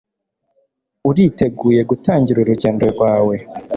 uriteguye gutangira urugendo rwawe